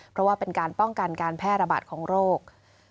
เพราะว่าเป็นการป้องกันการแพร่ระบาดของโรค